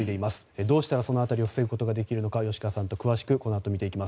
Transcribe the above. どうしたら、その辺りを防ぐことができるのか吉川さんと詳しくこのあと見ていきます。